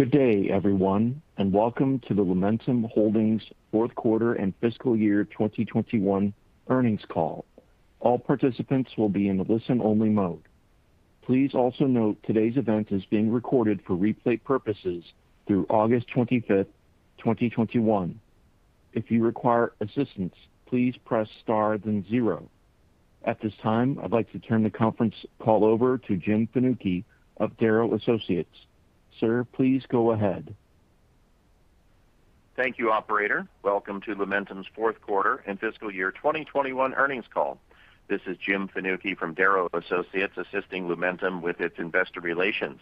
Good day, everyone, and welcome to the Lumentum Holdings Fourth Quarter and Fiscal Year 2021 Earnings call. All participants will be on listen-only mode. Please also note, today's event is being recorded for replay purposes 'til August 23rd, 2021. If you require assistance, please press star then zero. At this time, I'd like to turn the conference call over to Jim Fanucchi of Darrow Associates. Sir, please go ahead. Thank you, Operator. Welcome to Lumentum's Fourth Quarter and Fiscal Year 2021 Earnings call. This is Jim Fanucchi from Darrow Associates, assisting Lumentum with its investor relations.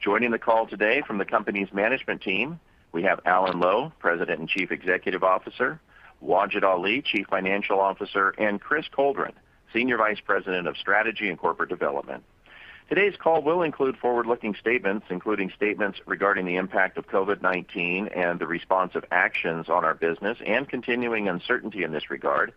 Joining the call today from the company's management team, we have Alan Lowe, President and Chief Executive Officer, Wajid Ali, Chief Financial Officer, and Chris Coldren, Senior Vice President of Strategy and Corporate Development. Today's call will include forward-looking statements, including statements regarding the impact of COVID-19 and the responsive actions on our business and continuing uncertainty in this regard,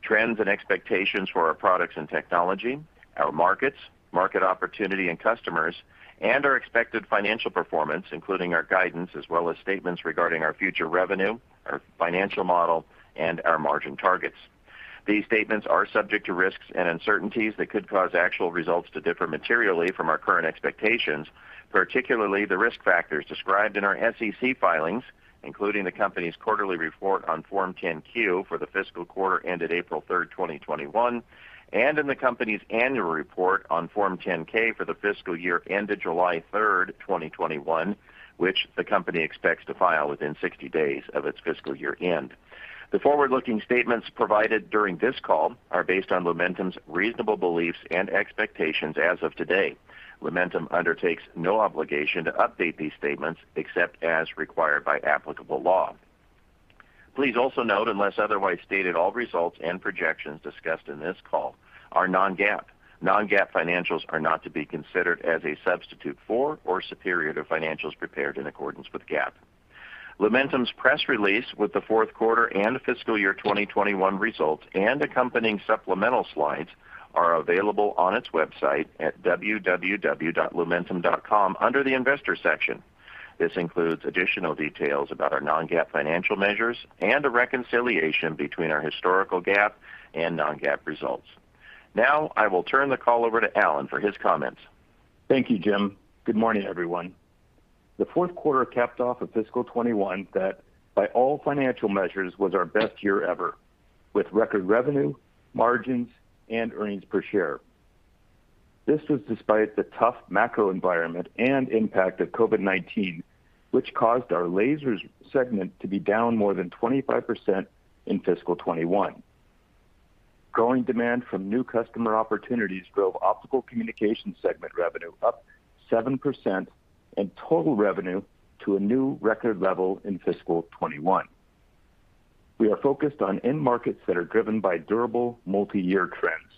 trends and expectations for our products and technology, our markets, market opportunity and customers, and our expected financial performance, including our guidance, as well as statements regarding our future revenue, our financial model, and our margin targets. These statements are subject to risks and uncertainties that could cause actual results to differ materially from our current expectations, particularly the risk factors described in our SEC filings, including the company's quarterly report on Form 10-Q for the fiscal quarter ended April 3rd, 2021, and in the company's annual report on Form 10-K for the fiscal year ended July 3rd, 2021, which the company expects to file within 60 days of its fiscal year end. The forward-looking statements provided during this call are based on Lumentum's reasonable beliefs and expectations as of today. Lumentum undertakes no obligation to update these statements except as required by applicable law. Please also note, unless otherwise stated, all results and projections discussed in this call are non-GAAP. Non-GAAP financials are not to be considered as a substitute for or superior to financials prepared in accordance with GAAP. Lumentum's press release with the fourth quarter and fiscal year 2021 results and accompanying supplemental slides are available on its website at www.lumentum.com under the Investor section. This includes additional details about our non-GAAP financial measures and a reconciliation between our historical GAAP and non-GAAP results. Now, I will turn the call over to Alan for his comments. Thank you, Jim. Good morning, everyone. The fourth quarter capped off a fiscal 2021 that, by all financial measures, was our best year ever with record revenue, margins, and earnings per share. This was despite the tough macro environment and impact of COVID-19, which caused our lasers segment to be down more than 25% in fiscal 2021. Growing demand from new customer opportunities drove optical communication segment revenue up 7% and total revenue to a new record level in fiscal 2021. We are focused on end markets that are driven by durable multi-year trends.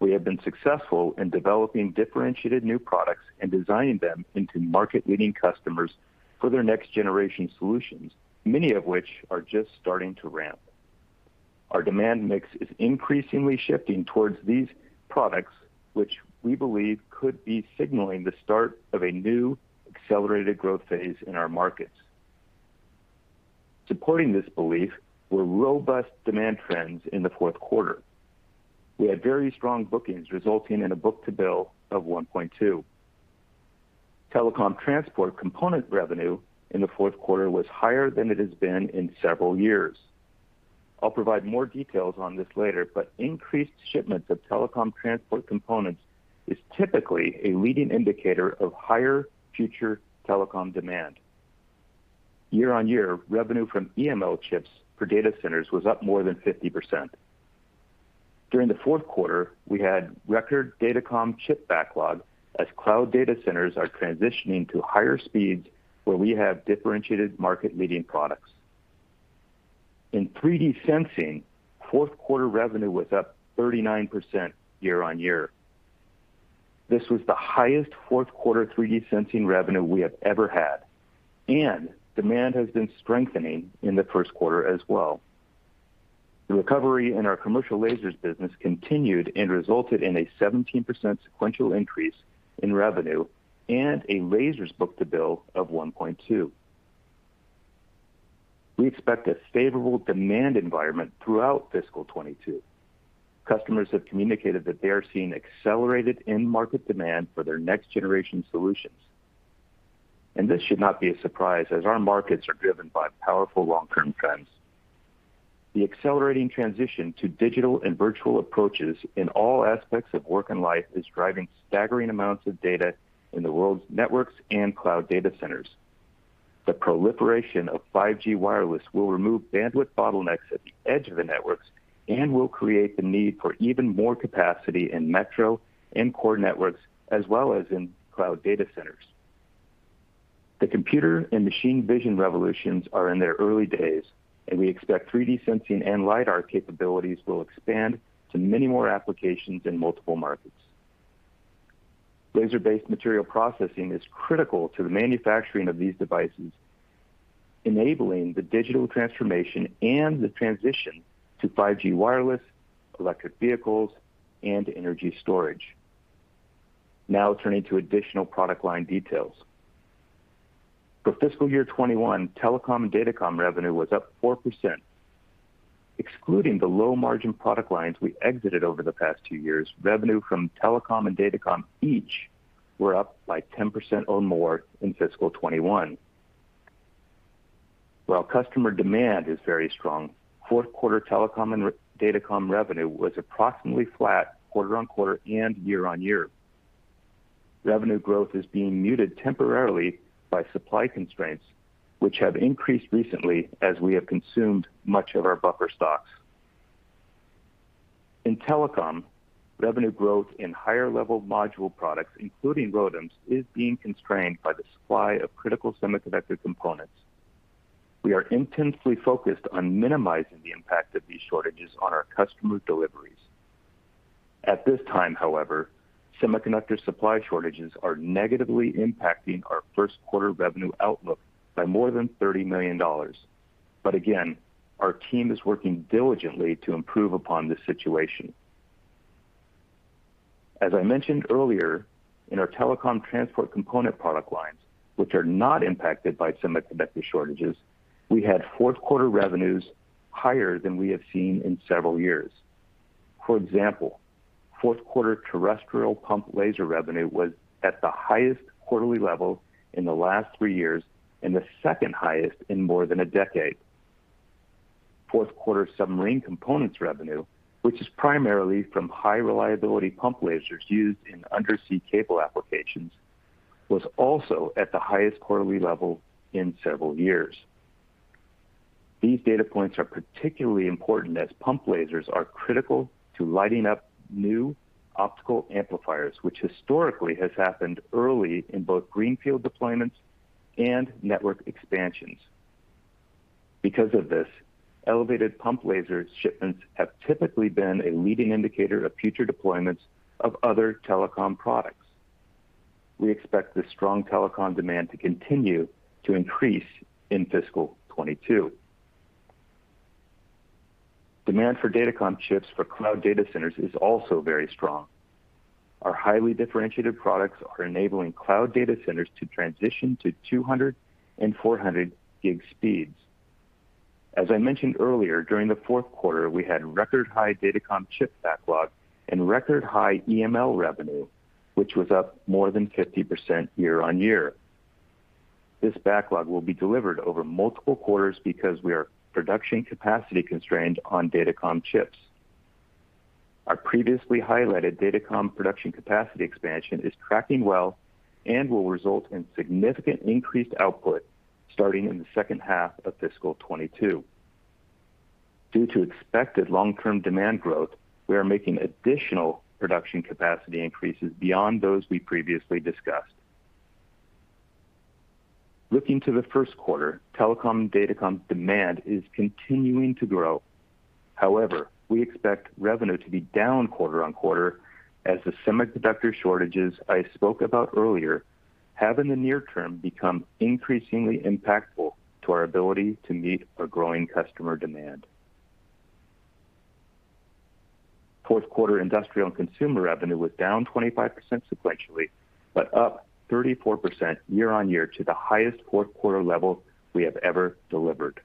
We have been successful in developing differentiated new products and designing them into market-leading customers for their next-generation solutions, many of which are just starting to ramp. Our demand mix is increasingly shifting towards these products, which we believe could be signaling the start of a new accelerated growth phase in our markets. Supporting this belief were robust demand trends in the fourth quarter. We had very strong bookings resulting in a book-to-bill of 1.2. Telecom transport component revenue in the fourth quarter was higher than it has been in several years. I'll provide more details on this later. Increased shipments of telecom transport components is typically a leading indicator of higher future telecom demand. Year-on-year, revenue from EML chips for data centers was up more than 50%. During the fourth quarter, we had record datacom chip backlog as cloud data centers are transitioning to higher speeds where we have differentiated market-leading products. In 3D sensing, fourth quarter revenue was up 39% year-on-year. This was the highest fourth quarter 3D sensing revenue we have ever had. Demand has been strengthening in the first quarter as well. The recovery in our commercial lasers business continued and resulted in a 17% sequential increase in revenue and a lasers book-to-bill of 1.2. We expect a favorable demand environment throughout fiscal 2022. Customers have communicated that they are seeing accelerated end market demand for their next-generation solutions. This should not be a surprise as our markets are driven by powerful long-term trends. The accelerating transition to digital and virtual approaches in all aspects of work and life is driving staggering amounts of data in the world's networks and cloud data centers. The proliferation of 5G wireless will remove bandwidth bottlenecks at the edge of the networks and will create the need for even more capacity in metro and core networks, as well as in cloud data centers. The computer and machine vision revolutions are in their early days. We expect 3D sensing and LiDAR capabilities will expand to many more applications in multiple markets. Laser-based material processing is critical to the manufacturing of these devices. Enabling the digital transformation and the transition to 5G wireless, electric vehicles, and energy storage. Turning to additional product line details. For fiscal year 2021, telecom and datacom revenue was up 4%. Excluding the low-margin product lines we exited over the past two years, revenue from telecom and datacom each were up by 10% or more in fiscal 2021. While customer demand is very strong, fourth quarter telecom and datacom revenue was approximately flat quarter-on-quarter and year-on-year. Revenue growth is being muted temporarily by supply constraints, which have increased recently as we have consumed much of our buffer stocks. In telecom, revenue growth in higher-level module products, including ROADMs, is being constrained by the supply of critical semiconductor components. We are intensely focused on minimizing the impact of these shortages on our customer deliveries. At this time, however, semiconductor supply shortages are negatively impacting our first quarter revenue outlook by more than $30 million. Again, our team is working diligently to improve upon this situation. As I mentioned earlier, in our telecom transport component product lines, which are not impacted by semiconductor shortages, we had fourth quarter revenues higher than we have seen in several years. For example, fourth quarter terrestrial pump laser revenue was at the highest quarterly level in the last three years and the second highest in more than a decade. Fourth quarter submarine components revenue, which is primarily from high reliability pump lasers used in undersea cable applications, was also at the highest quarterly level in several years. These data points are particularly important as pump lasers are critical to lighting up new optical amplifiers, which historically has happened early in both greenfield deployments and network expansions. Because of this, elevated pump laser shipments have typically been a leading indicator of future deployments of other telecom products. We expect this strong telecom demand to continue to increase in fiscal 2022. Demand for datacom chips for cloud data centers is also very strong. Our highly differentiated products are enabling cloud data centers to transition to 200G and 400G speeds. As I mentioned earlier, during the fourth quarter, we had record high datacom chip backlog and record high EML revenue, which was up more than 50% year-over-year. This backlog will be delivered over multiple quarters because we are production capacity constrained on datacom chips. Our previously highlighted datacom production capacity expansion is tracking well and will result in significant increased output starting in the second half of fiscal 2022. Due to expected long-term demand growth, we are making additional production capacity increases beyond those we previously discussed. Looking to the first quarter, telecom and datacom demand is continuing to grow. However, we expect revenue to be down quarter-over-quarter as the semiconductor shortages I spoke about earlier have in the near term become increasingly impactful to our ability to meet a growing customer demand. Fourth quarter industrial and consumer revenue was down 25% sequentially, but up 34% year-over-year to the highest fourth quarter level we have ever delivered.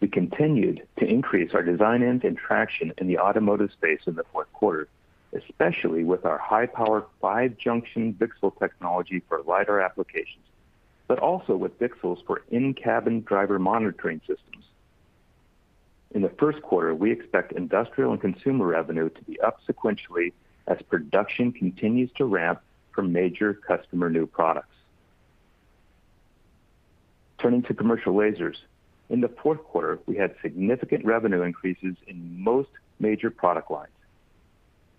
We continued to increase our design and traction in the automotive space in the fourth quarter, especially with our high-powered five-junction VCSEL technology for LiDAR applications, but also with VCSELs for in-cabin driver monitoring systems. In the first quarter, we expect industrial and consumer revenue to be up sequentially as production continues to ramp for major customer new products. Turning to commercial lasers. In the fourth quarter, we had significant revenue increases in most major product lines.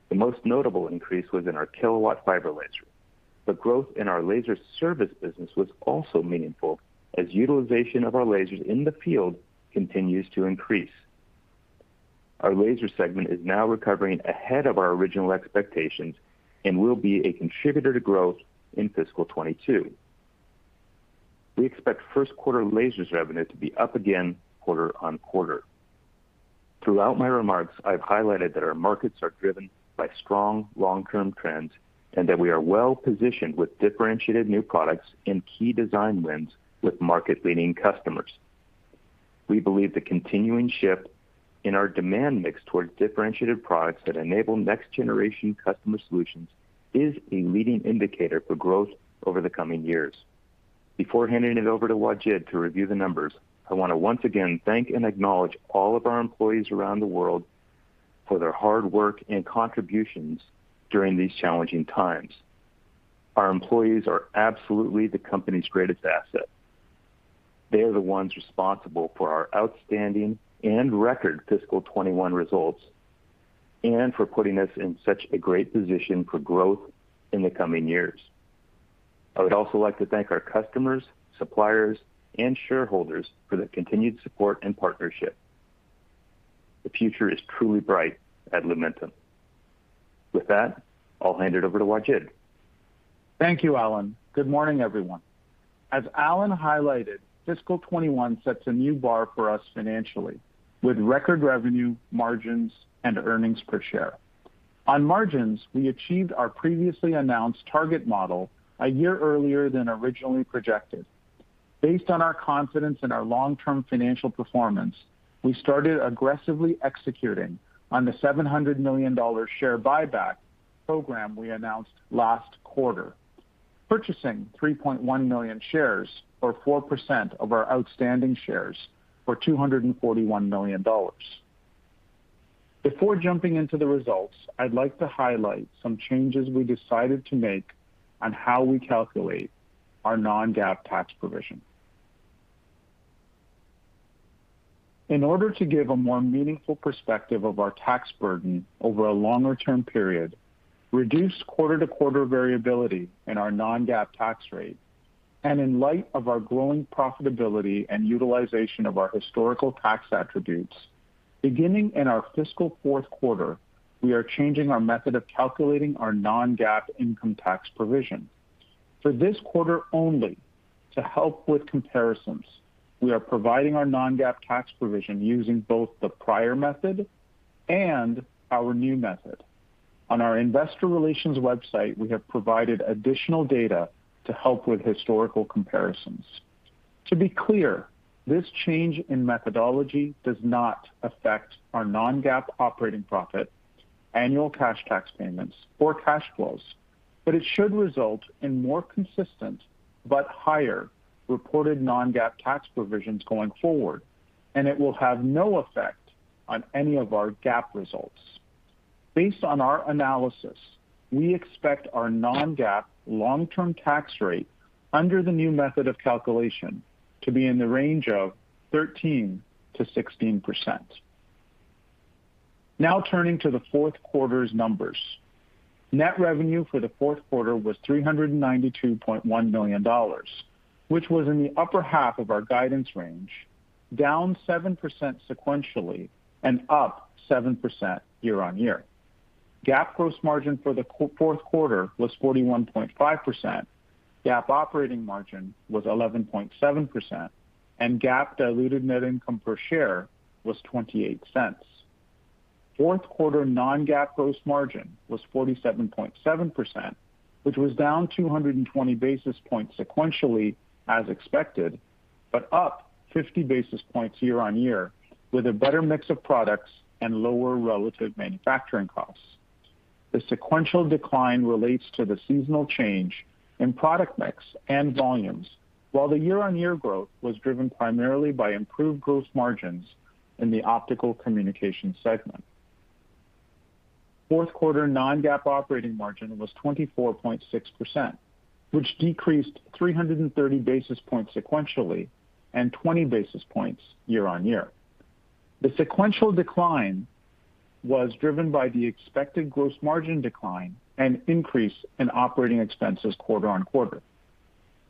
The most notable increase was in our kilowatt fiber laser. The growth in our laser service business was also meaningful, as utilization of our lasers in the field continues to increase. Our laser segment is now recovering ahead of our original expectations and will be a contributor to growth in fiscal 2022. We expect first quarter lasers revenue to be up again quarter-on-quarter. Throughout my remarks, I've highlighted that our markets are driven by strong long-term trends, and that we are well-positioned with differentiated new products and key design wins with market-leading customers. We believe the continuing shift in our demand mix towards differentiated products that enable next-generation customer solutions is a leading indicator for growth over the coming years. Before handing it over to Wajid to review the numbers, I want to once again thank and acknowledge all of our employees around the world for their hard work and contributions during these challenging times. Our employees are absolutely the company's greatest asset. They are the ones responsible for our outstanding and record fiscal 2021 results, and for putting us in such a great position for growth in the coming years. I would also like to thank our customers, suppliers, and shareholders for their continued support and partnership. The future is truly bright at Lumentum. With that, I'll hand it over to Wajid. Thank you, Alan. Good morning, everyone. As Alan highlighted, fiscal 2021 sets a new bar for us financially with record revenue, margins, and earnings per share. On margins, we achieved our previously announced target model a year earlier than originally projected. Based on our confidence in our long-term financial performance, we started aggressively executing on the $700 million share buyback program we announced last quarter, purchasing 3.1 million shares or 4% of our outstanding shares for $241 million. Before jumping into the results, I'd like to highlight some changes we decided to make on how we calculate our non-GAAP tax provision. In order to give a more meaningful perspective of our tax burden over a longer-term period, reduce quarter-to-quarter variability in our non-GAAP tax rate, and in light of our growing profitability and utilization of our historical tax attributes, beginning in our fiscal fourth quarter, we are changing our method of calculating our non-GAAP income tax provision. For this quarter only, to help with comparisons, we are providing our non-GAAP tax provision using both the prior method and our new method. On our investor relations website, we have provided additional data to help with historical comparisons. To be clear, this change in methodology does not affect our non-GAAP operating profit, annual cash tax payments, or cash flows, but it should result in more consistent but higher reported non-GAAP tax provisions going forward, and it will have no effect on any of our GAAP results. Based on our analysis, we expect our non-GAAP long-term tax rate under the new method of calculation to be in the range of 13%-16%. Now turning to the fourth quarter's numbers. Net revenue for the fourth quarter was $392.1 million, which was in the upper half of our guidance range, down 7% sequentially and up 7% year-on-year. GAAP gross margin for the fourth quarter was 41.5%, GAAP operating margin was 11.7%, and GAAP diluted net income per share was $0.28. Fourth quarter non-GAAP gross margin was 47.7%, which was down 220 basis points sequentially as expected, but up 50 basis points year-on-year with a better mix of products and lower relative manufacturing costs. The sequential decline relates to the seasonal change in product mix and volumes, while the year-on-year growth was driven primarily by improved gross margins in the optical communication segment. Fourth quarter non-GAAP operating margin was 24.6%, which decreased 330 basis points sequentially and 20 basis points year-on-year. The sequential decline was driven by the expected gross margin decline and increase in operating expenses quarter-on-quarter.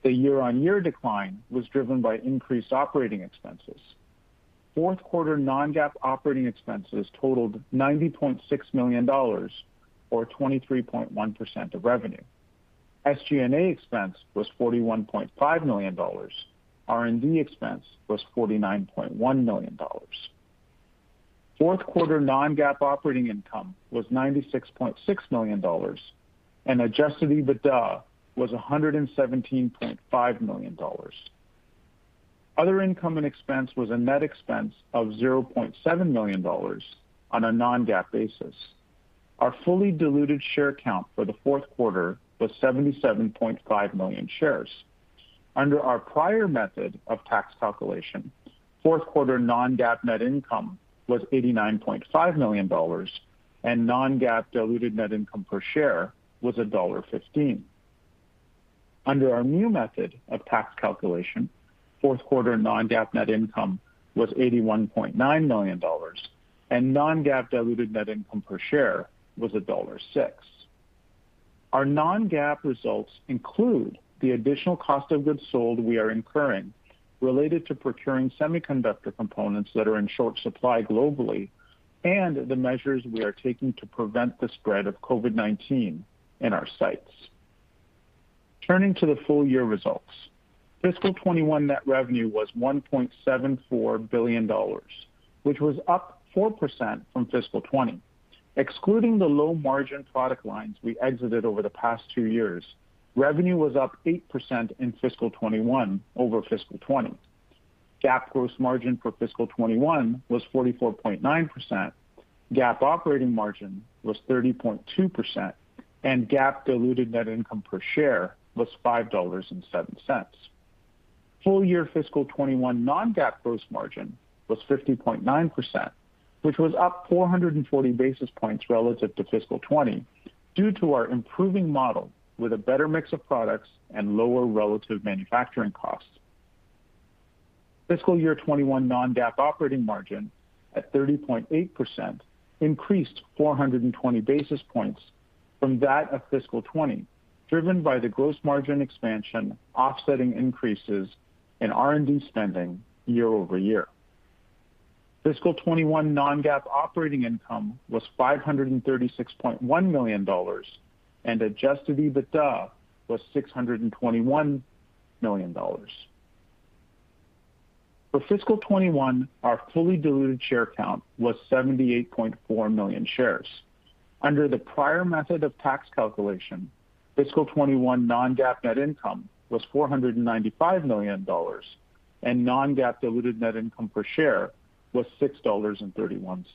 The year-on-year decline was driven by increased operating expenses. Fourth quarter non-GAAP operating expenses totaled $90.6 million, or 23.1% of revenue. SG&A expense was $41.5 million. R&D expense was $49.1 million. Fourth quarter non-GAAP operating income was $96.6 million, and Adjusted EBITDA was $117.5 million. Other income and expense was a net expense of $0.7 million on a non-GAAP basis. Our fully diluted share count for the fourth quarter was 77.5 million shares. Under our prior method of tax calculation, fourth quarter non-GAAP net income was $89.5 million, and non-GAAP diluted net income per share was $1.15. Under our new method of tax calculation, fourth quarter non-GAAP net income was $81.9 million, and non-GAAP diluted net income per share was $1.06. Our non-GAAP results include the additional cost of goods sold we are incurring related to procuring semiconductor components that are in short supply globally, and the measures we are taking to prevent the spread of COVID-19 in our sites. Turning to the full year results. Fiscal 2021 net revenue was $1.74 billion, which was up 4% from fiscal 2020. Excluding the low-margin product lines we exited over the past two years, revenue was up 8% in fiscal 2021 over fiscal 2020. GAAP gross margin for fiscal 2021 was 44.9%, GAAP operating margin was 30.2%, and GAAP diluted net income per share was $5.07. Full year fiscal 2021 non-GAAP gross margin was 50.9%, which was up 440 basis points relative to fiscal 2020 due to our improving model with a better mix of products and lower relative manufacturing costs. Fiscal year 2021 non-GAAP operating margin at 30.8% increased 420 basis points from that of fiscal 2020, driven by the gross margin expansion offsetting increases in R&D spending year-over-year. Fiscal 2021 non-GAAP operating income was $536.1 million, and Adjusted EBITDA was $621 million. For fiscal 2021, our fully diluted share count was 78.4 million shares. Under the prior method of tax calculation, fiscal 2021 non-GAAP net income was $495 million, and non-GAAP diluted net income per share was $6.31.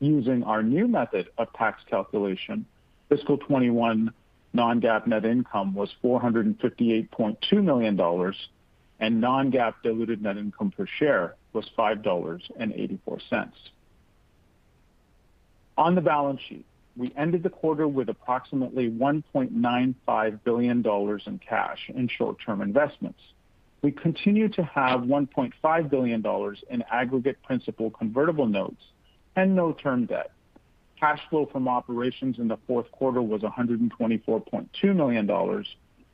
Using our new method of tax calculation, fiscal 2021 non-GAAP net income was $458.2 million, and non-GAAP diluted net income per share was $5.84. On the balance sheet, we ended the quarter with approximately $1.95 billion in cash, in short-term investments. We continue to have $1.5 billion in aggregate principal convertible notes and no term debt. Cash flow from operations in the fourth quarter was $124.2 million,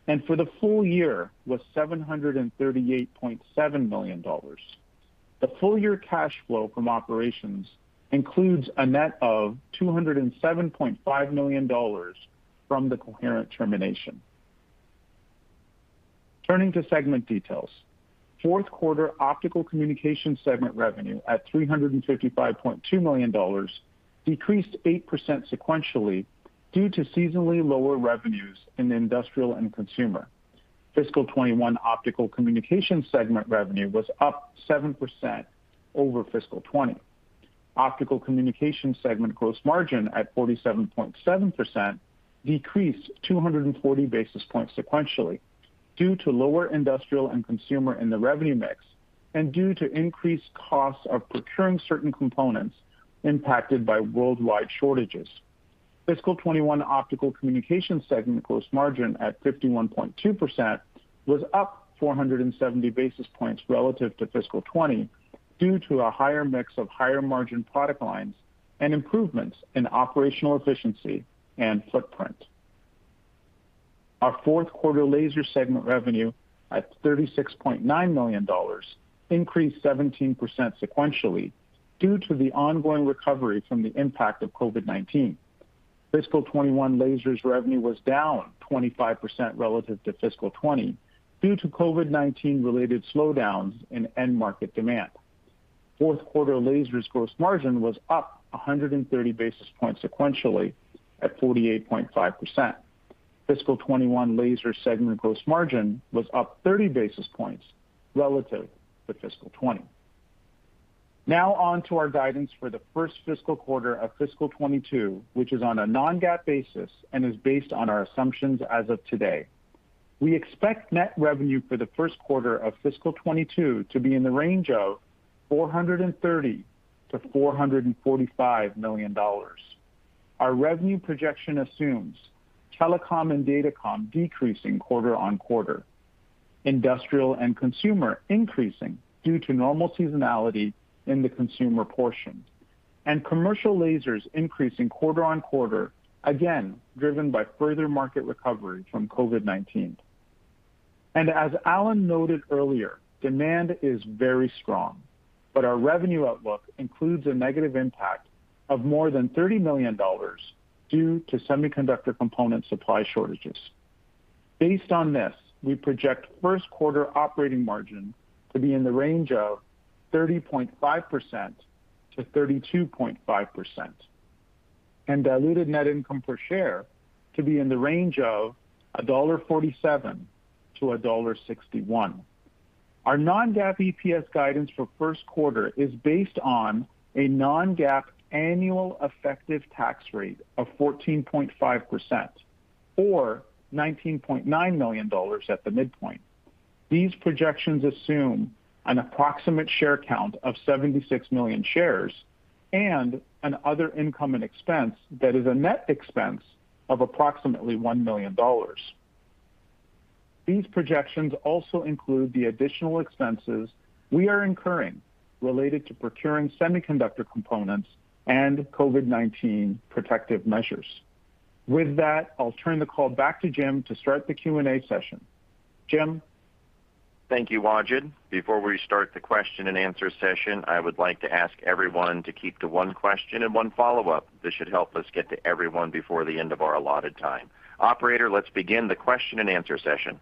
and for the full year was $738.7 million. The full-year cash flow from operations includes a net of $207.5 million from the Coherent termination. Turning to segment details. Fourth quarter optical communication segment revenue at $355.2 million decreased 8% sequentially due to seasonally lower revenues in the industrial and consumer. Fiscal 2021 optical communication segment revenue was up 7% over fiscal 2020. Optical communication segment gross margin at 47.7% decreased 240 basis points sequentially due to lower industrial and consumer in the revenue mix, and due to increased costs of procuring certain components impacted by worldwide shortages. Fiscal 2021 optical communication segment gross margin at 51.2% was up 470 basis points relative to fiscal 2020 due to a higher mix of higher margin product lines and improvements in operational efficiency and footprint. Our fourth quarter laser segment revenue at $36.9 million increased 17% sequentially due to the ongoing recovery from the impact of COVID-19. Fiscal 2021 lasers revenue was down 25% relative to fiscal 2020 due to COVID-19 related slowdowns in end market demand. Fourth quarter lasers gross margin was up 130 basis points sequentially at 48.5%. Fiscal 2021 laser segment gross margin was up 30 basis points relative to fiscal 2020. Now on to our guidance for the first fiscal quarter of fiscal 2022, which is on a non-GAAP basis and is based on our assumptions as of today. We expect net revenue for the first quarter of fiscal 2022 to be in the range of $430 million-$445 million. Our revenue projection assumes telecom and datacom decreasing quarter-on-quarter, industrial and consumer increasing due to normal seasonality in the consumer portion, and commercial lasers increasing quarter-on-quarter, again, driven by further market recovery from COVID-19. As Alan noted earlier, demand is very strong. Our revenue outlook includes a negative impact of more than $30 million due to semiconductor component supply shortages. Based on this, we project first quarter operating margin to be in the range of 30.5%-32.5%, and diluted net income per share to be in the range of $1.47-$1.61. Our non-GAAP EPS guidance for first quarter is based on a non-GAAP annual effective tax rate of 14.5%, or $19.9 million at the midpoint. These projections assume an approximate share count of 76 million shares and an other income and expense that is a net expense of approximately $1 million. These projections also include the additional expenses we are incurring related to procuring semiconductor components and COVID-19 protective measures. With that, I'll turn the call back to Jim to start the Q&A session. Jim? Thank you, Wajid. Before we start the question-and-answer session, I would like to ask everyone to keep to one question and one follow-up. This should help us get to everyone before the end of our allotted time. Operator, let's begin the question-and-answer session.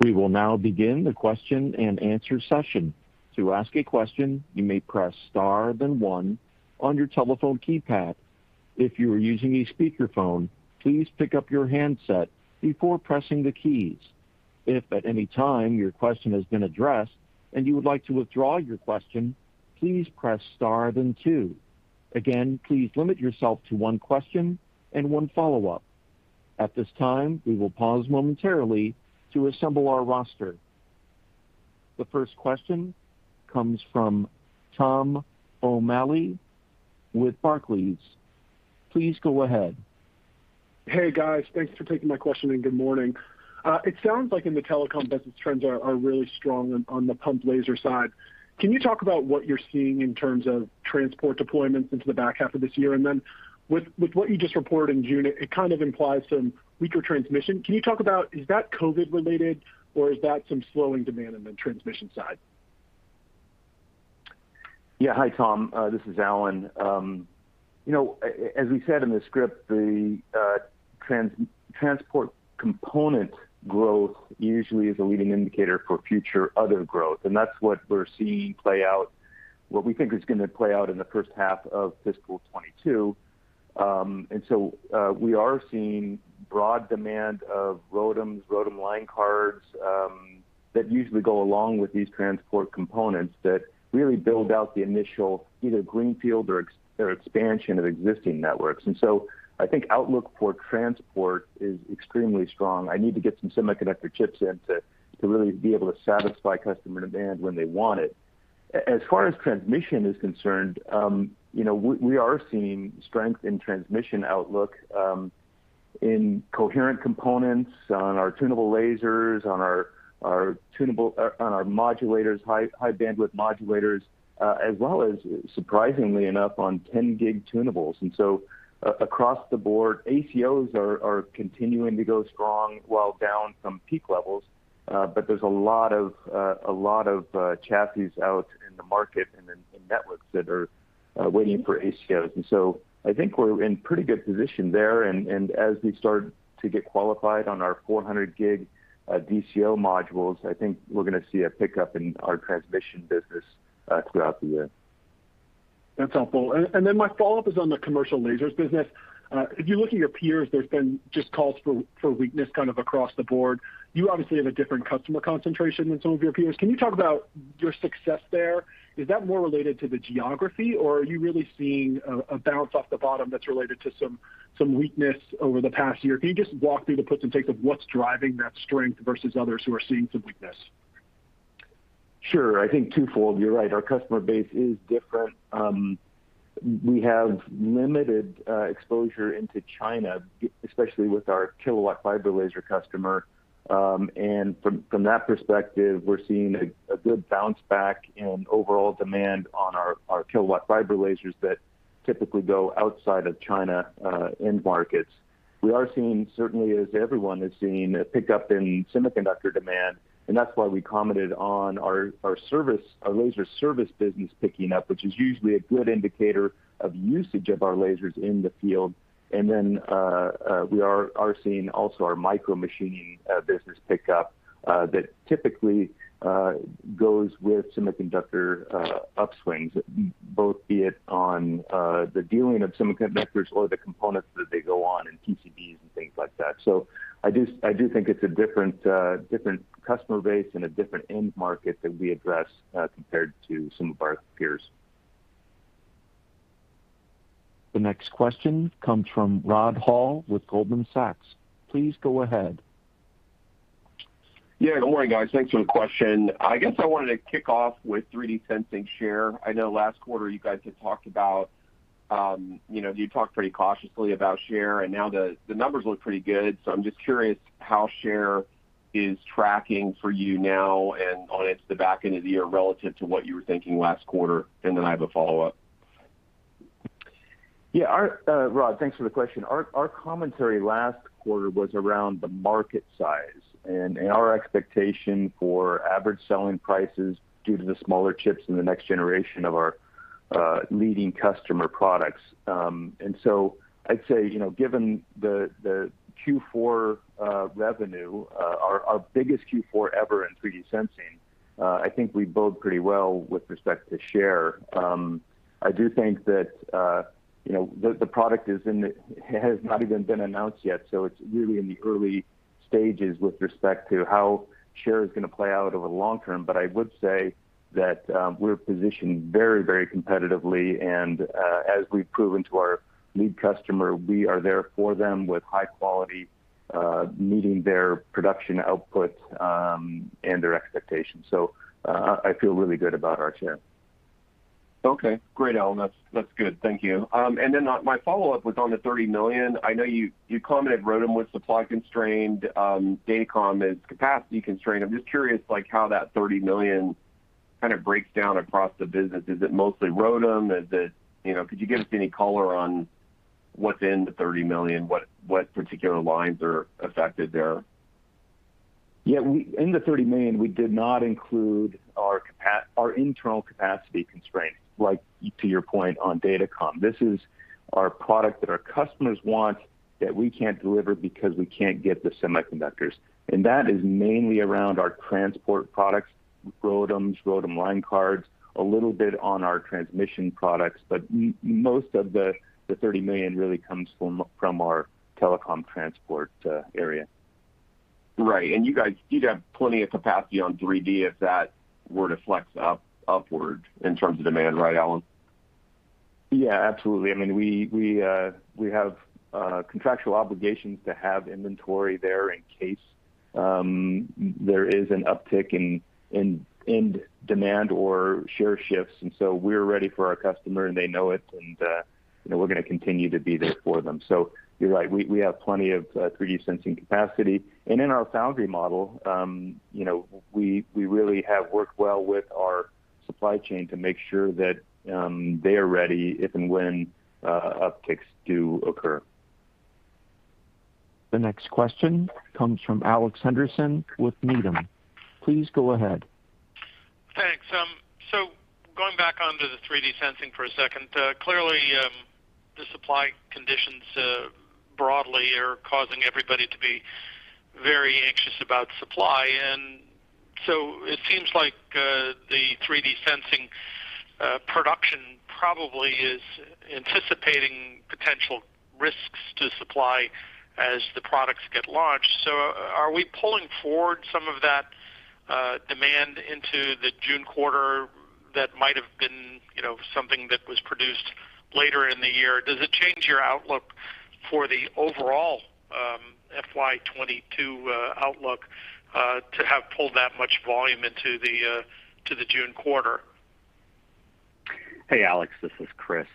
We will now begin the question-and-answer session. To ask a question, you may press star then one on your telephone keypad. If you are using a speakerphone, please pick up your handset before pressing the keys. If at any time your question has been addressed and you would like to withdraw your question, please press star then two. Again, please limit yourself to one question and one follow-up. At this time, we will pause momentarily to assemble our roster. The first question comes from Tom O'Malley with Barclays. Please go ahead. Hey, guys. Thanks for taking my question, and good morning. It sounds like in the telecom business, trends are really strong on the pumped laser side. Can you talk about what you're seeing in terms of transport deployments into the back half of this year? With what you just reported in June, it kind of implies some weaker transmission. Can you talk about is that COVID-19 related, or is that some slowing demand on the transmission side? Yeah, hi, Tom. This is Alan. As we said in the script, the transport component growth usually is a leading indicator for future other growth, and that's what we're seeing play out, what we think is going to play out in the first half of fiscal 2022. We are seeing broad demand of ROADMs, ROADM line cards, that usually go along with these transport components that really build out the initial either greenfield or expansion of existing networks. I think outlook for transport is extremely strong. I need to get some semiconductor chips in to really be able to satisfy customer demand when they want it. As far as transmission is concerned, we are seeing strength in transmission outlook in coherent components, on our tunable lasers, on our modulators, high-bandwidth modulators, as well as surprisingly enough, on 10G tunables. Across the board, ACOs are continuing to go strong while down from peak levels. There's a lot of chassis out in the market and in networks that are waiting for ACOs, and so I think we're in pretty good position there. As we start to get qualified on our 400G DCO modules, I think we're going to see a pickup in our transmission business throughout the year. That's helpful. My follow-up is on the commercial lasers business. If you look at your peers, there's been just calls for weakness kind of across the board. You obviously have a different customer concentration than some of your peers. Can you talk about your success there? Is that more related to the geography, or are you really seeing a bounce off the bottom that's related to some weakness over the past year? Can you just walk through the puts and takes of what's driving that strength versus others who are seeing some weakness? Sure. I think twofold. You're right, our customer base is different. We have limited exposure into China, especially with our kilowatt fiber laser customer. From that perspective, we're seeing a good bounce back in overall demand on our kilowatt fiber lasers that typically go outside of China end markets. We are seeing certainly as everyone is seeing, a pickup in semiconductor demand, and that's why we commented on our laser service business picking up, which is usually a good indicator of usage of our lasers in the field. Then we are seeing also our micromachining business pick up, that typically goes with semiconductor upswings, both be it on the dealing of semiconductors or the components that they go on in PCBs and things like that. I do think it's a different customer base and a different end market that we address compared to some of our peers. The next question comes from Rod Hall with Goldman Sachs. Please go ahead. Yeah. Good morning, guys. Thanks for the question. I guess I wanted to kick off with 3D sensing share. I know last quarter you talked pretty cautiously about share, now the numbers look pretty good. I'm just curious how share is tracking for you now and on into the back end of the year relative to what you were thinking last quarter. And I have a follow-up. Yeah. Rod, thanks for the question. Our commentary last quarter was around the market size and our expectation for average selling prices due to the smaller chips in the next generation of our leading customer products. I'd say, given the Q4 revenue, our biggest Q4 ever in 3D sensing, I think we bode pretty well with respect to share. I do think that the product has not even been announced yet, so it's really in the early stages with respect to how share is going to play out over the long term. I would say that we're positioned very competitively, and as we've proven to our lead customer, we are there for them with high quality, meeting their production outputs, and their expectations. I feel really good about our share. Okay. Great, Alan. That's good. Thank you. Then my follow-up was on the $30 million. I know you commented ROADM was supply constrained. Data comm is capacity constrained. I'm just curious how that $30 million kind of breaks down across the business. Is it mostly ROADM? Could you give us any color on what's in the $30 million? What particular lines are affected there? Yeah. In the $30 million, we did not include our internal capacity constraints, like EP, your point on Datacom. This is our product that our customers want that we can't deliver because we can't get the semiconductors, and that is mainly around our transport products, ROADMs, ROADM line cards, a little bit on our transmission products. Most of the $30 million really comes from our telecom transport area. Right. You guys do have plenty of capacity on 3D if that were to flex upward in terms of demand, right, Alan? Yeah, absolutely. We have contractual obligations to have inventory there in case there is an uptick in end demand or share shifts, and so we're ready for our customer, and they know it, and we're going to continue to be there for them. You're right, we have plenty of 3D sensing capacity. In our foundry model, we really have worked well with our supply chain to make sure that they are ready if and when upticks do occur. The next question comes from Alex Henderson with Needham. Please go ahead. Thanks. Going back onto the 3D sensing for one second. Clearly, the supply conditions broadly are causing everybody to be very anxious about supply. It seems like the 3D sensing production probably is anticipating potential risks to supply as the products get launched. Are we pulling forward some of that demand into the June quarter that might have been something that was produced later in the year? Does it change your outlook for the overall FY 2022 outlook to have pulled that much volume into the June quarter? Hey, Alex. This is Chris.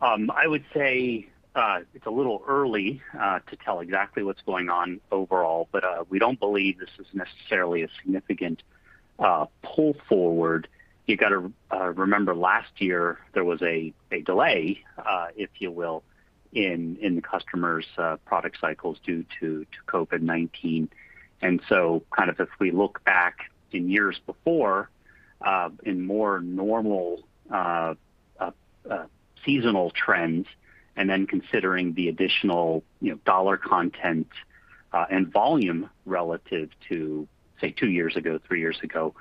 I would say it's a little early to tell exactly what's going on overall, but we don't believe this is necessarily a significant pull forward. You got to remember last year, there was a delay, if you will, in the customers' product cycles due to COVID-19. And so, kind of just we look back in years before, in more normal seasonal trends, and then considering the additional dollar content and volume relative to, say, two years ago, three years ago,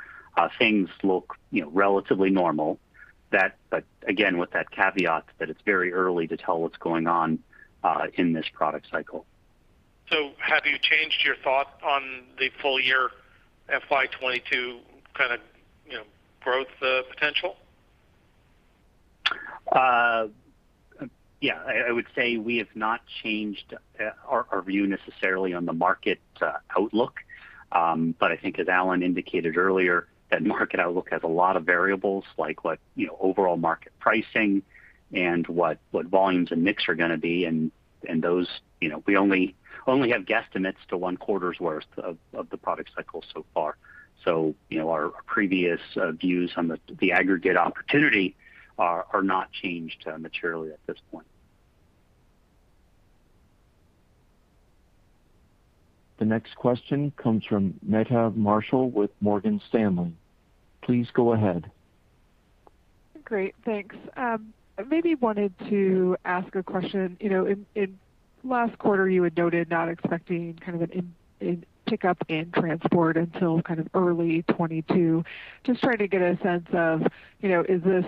things look relatively normal. That, again, with that caveat that it's very early to tell what's going on in this product cycle. Have you changed your thought on the full year FY 2022 kind of growth potential? Yeah, I would say we have not changed our view necessarily on the market outlook. I think as Alan indicated earlier, that market outlook has a lot of variables like what overall market pricing and what volumes and mix are going to be. We only have guesstimates to one quarter's worth of the product cycle so far. Our previous views on the aggregate opportunity are not changed materially at this point. The next question comes from Meta Marshall with Morgan Stanley. Please go ahead. Great. Thanks. Maybe wanted to ask a question. In last quarter, you had noted not expecting kind of a pickup in transport until kind of early 2022. Just trying to get a sense of, is this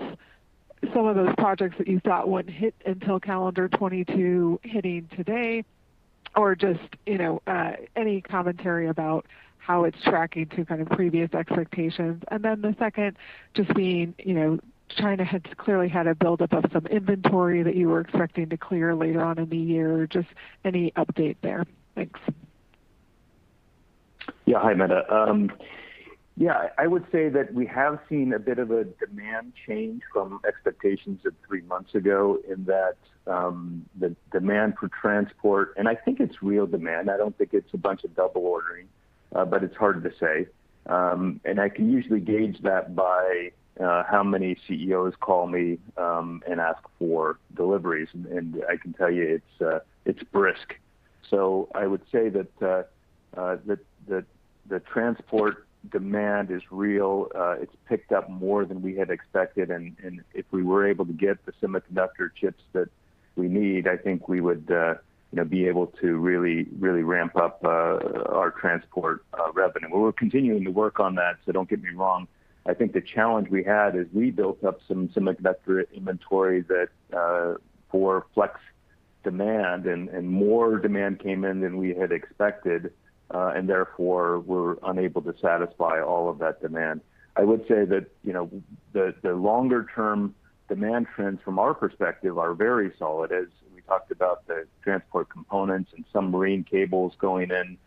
some of those projects that you thought wouldn't hit until calendar 2022 hitting today, or just any commentary about how it's tracking to kind of previous expectations. The second just being, China has clearly had a buildup of some inventory that you were expecting to clear later on in the year. Just any update there. Thanks. Hi, Meta. I would say that we have seen a bit of a demand change from expectations of three months ago in that the demand for transport. I think it's real demand. I don't think it's a bunch of double ordering. But it's hard to say. I can usually gauge that by how many CEOs call me and ask for deliveries. I can tell you it's brisk. I would say that the transport demand is real. It's picked up more than we had expected. If we were able to get the semiconductor chips that we need, I think we would be able to really ramp up our transport revenue. We're continuing to work on that. Don't get me wrong. I think the challenge we had is we built up some semiconductor inventory for flex demand, and more demand came in than we had expected, and therefore, we're unable to satisfy all of that demand. I would say that the longer-term demand trends from our perspective are very solid, as we talked about the transport components and submarine cables going in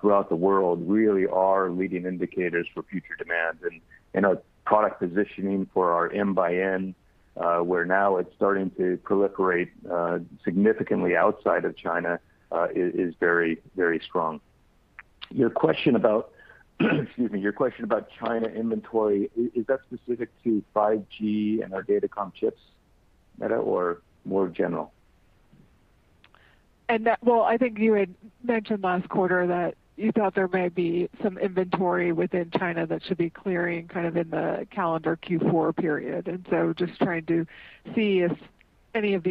throughout the world really are leading indicators for future demand. Our product positioning for our M by N, where now it's starting to proliferate significantly outside of China, is very strong. Excuse me. Your question about China inventory, is that specific to 5G and our datacom chips, Meta, or more general? I think you had mentioned last quarter that you thought there may be some inventory within China that should be clearing kind of in the calendar Q4 period. Just trying to see if any of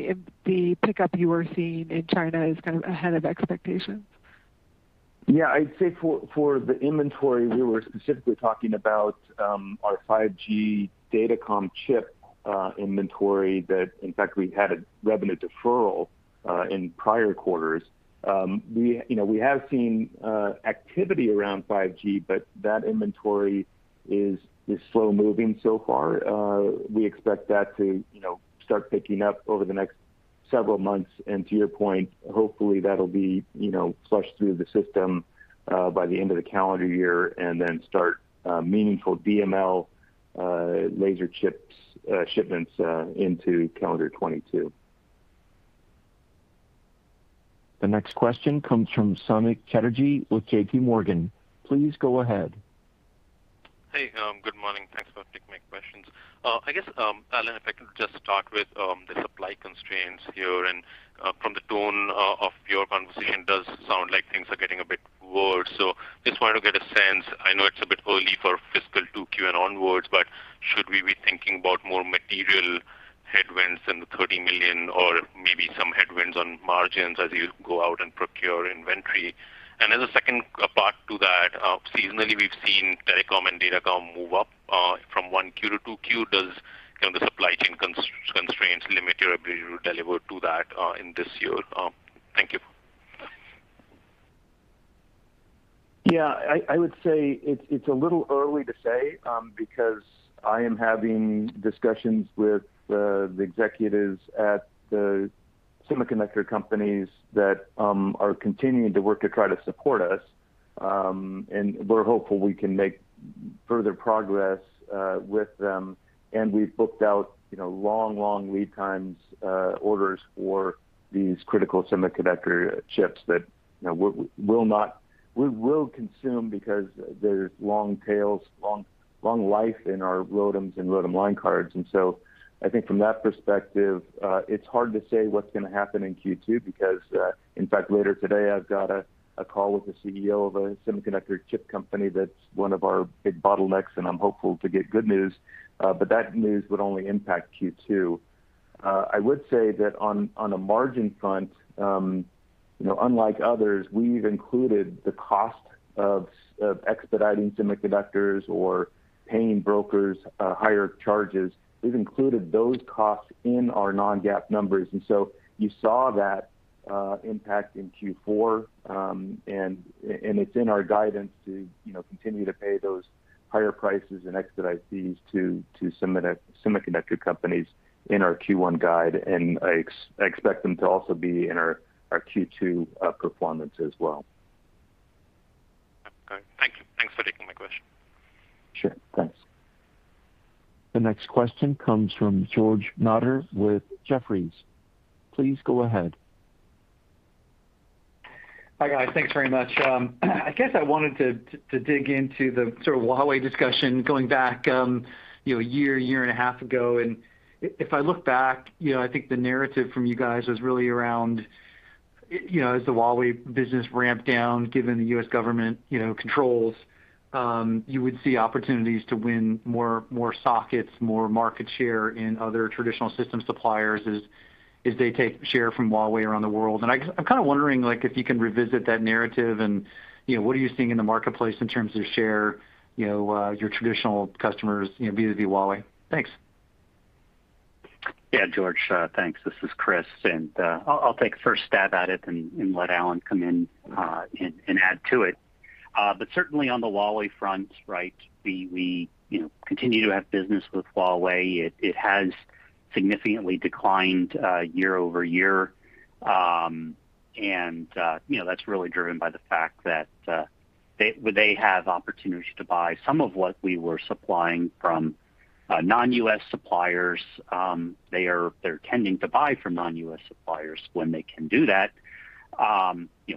the pickup you are seeing in China is kind of ahead of expectations. Yeah, I'd say for the inventory, we were specifically talking about our 5G datacom chip inventory that, in fact, we had a revenue deferral in prior quarters. We have seen activity around 5G, but that inventory is slow-moving so far. We expect that to start picking up over the next several months, and to your point, hopefully that'll be flushed through the system by the end of the calendar year, and then start meaningful DML laser shipments into calendar 2022. The next question comes from Samik Chatterjee with J.P. Morgan. Please go ahead. Hey, good morning. Thanks for taking my questions. I guess, Alan, if I could just start with the supply constraints here. From the tone of your conversation, does sound like things are getting a bit worse. Just wanted to get a sense, I know it's a bit early for fiscal Q2 and onwards, but should we be thinking about more material headwinds than the $30 million or maybe some headwinds on margins as you go out and procure inventory? As a second part to that, seasonally, we've seen telecom and Datacom move up from Q1 to Q2. Does the supply chain constraints limit your ability to deliver to that in this year? Thank you. Yeah, I would say it's a little early to say, because I am having discussions with the executives at the semiconductor companies that are continuing to work to try to support us. We're hopeful we can make further progress with them. We've booked out long lead times orders for these critical semiconductor chips that we will consume because there's long tails, long life in our ROADMs and ROADM line cards. I think from that perspective, it's hard to say what's going to happen in Q2 because, in fact, later today, I've got a call with the CEO of a semiconductor chip company that's one of our big bottlenecks, and I'm hopeful to get good news. That news would only impact Q2. I would say that on a margin front, unlike others, we've included the cost of expediting semiconductors or paying brokers higher charges. We've included those costs in our non-GAAP numbers. You saw that impact in Q4. It's in our guidance to continue to pay those higher prices and expedite fees to semiconductor companies in our Q1 guide. I expect them to also be in our Q2 performance as well. Okay. Thank you. Thanks for taking my question. Sure. Thanks. The next question comes from George Notter with Jefferies. Please go ahead. Hi, guys. Thanks very much. I guess I wanted to dig into the sort of Huawei discussion going back, you know, a year, a year and a half ago. If I look back, I think the narrative from you guys was really around as the Huawei business ramped down given the U.S. government controls, you would see opportunities to win more sockets, more market share in other traditional system suppliers as they take share from Huawei around the world. I'm kind of wondering, if you can revisit that narrative and what are you seeing in the marketplace in terms of share, your traditional customers vis-a-vis Huawei. Thanks. Yeah, George. Thanks. This is Chris, and I'll take first stab at it and let Alan come in and add to it. Certainly on the Huawei front, we continue to have business with Huawei. It has significantly declined year-over-year. That's really driven by the fact that they have opportunities to buy some of what we were supplying from non-U.S. suppliers. They're tending to buy from non-U.S. suppliers when they can do that.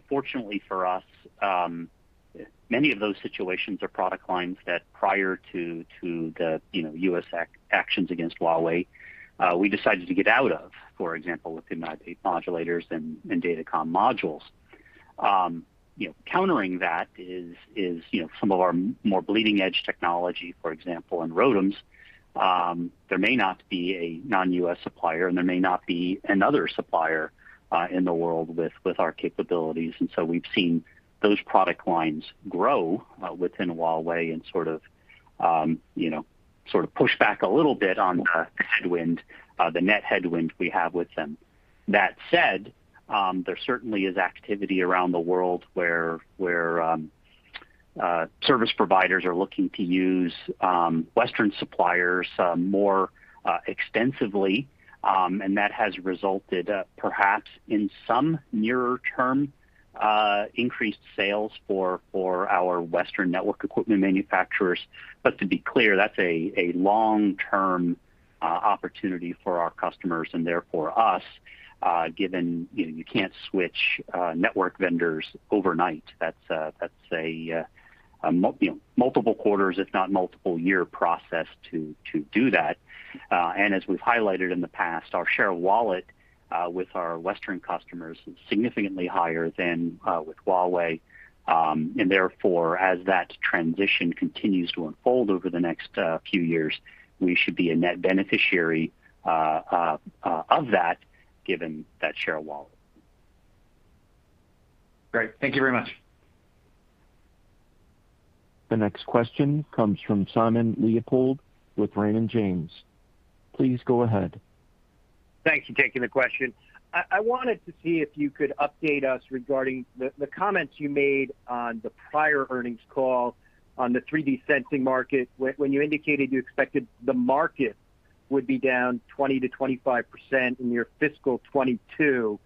Fortunately for us, many of those situations are product lines that prior to the U.S. actions against Huawei, we decided to get out of, for example, with MMIC modulators and Datacom modules. Countering that is some of our more bleeding-edge technology, for example, in ROADMs. There may not be a non-U.S. supplier, and there may not be another supplier in the world with our capabilities. We've seen those product lines grow within Huawei and sort of push back a little bit on the net headwind we have with them. That said, there certainly is activity around the world where service providers are looking to use Western suppliers more extensively. That has resulted perhaps in some nearer term increased sales for our Western network equipment manufacturers. To be clear, that's a long-term opportunity for our customers and therefore us, given you can't switch network vendors overnight. That's a multiple quarters, if not multiple year process to do that. As we've highlighted in the past, our share of wallet with our Western customers is significantly higher than with Huawei. Therefore, as that transition continues to unfold over the next few years, we should be a net beneficiary of that given that share of wallet. Great. Thank you very much. The next question comes from Simon Leopold with Raymond James. Please go ahead. Thanks for taking the question. I wanted to see if you could update us regarding the comments you made on the prior earnings call on the 3D sensing market, when you indicated you expected the market would be down 20%-25% in your fiscal 2022.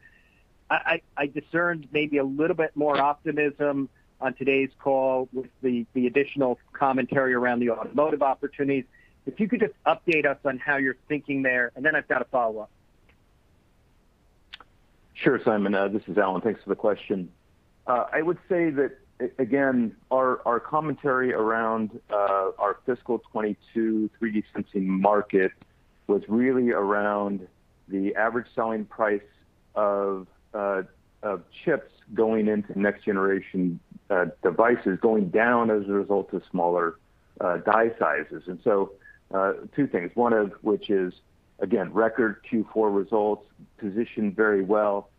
I discerned maybe a little bit more optimism on today's call with the additional commentary around the automotive opportunities. If you could just update us on how you're thinking there, and then I've got a follow-up. Sure, Simon. This is Alan. Thanks for the question. I would say that, again, our commentary around our fiscal 2022 3D sensing market was really around the average selling price of chips going into next generation devices going down as a result of smaller die sizes. Two things, one of which is, again, record Q4 results, positioned very well.